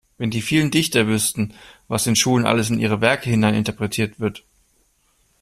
Wenn die vielen Dichter wüssten, was in Schulen alles in ihre Werke hineininterpretiert wird!